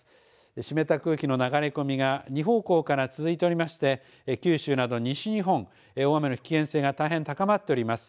湿った空気の流れ込みが２方向から続いておりまして九州など西日本大雨の危険性が大変、高まっております。